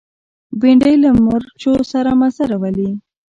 بېنډۍ له مرچو سره مزه راولي